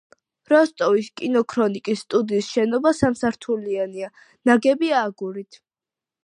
როსტოვის კინოქრონიკის სტუდიის შენობა სამსართულიანია, ნაგებია აგურით.